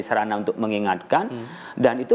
sarana untuk mengingatkan dan itu